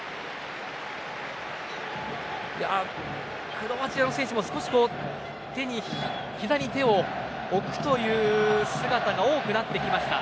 クロアチアの選手も少しひざに手を置くという姿が多くなってきました。